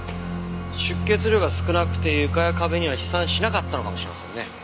出血量が少なくて床や壁には飛散しなかったのかもしれませんね。